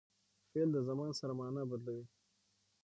فعل د زمان سره مانا بدلوي.